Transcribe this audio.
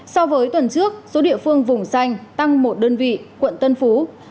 so với tuần trước số địa phương vùng xanh tăng một đơn vị quận tân phú